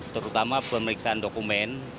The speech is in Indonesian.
terutama pemeriksaan dokumen